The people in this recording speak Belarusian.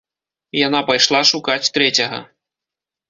Яна пайшла шукаць трэцяга.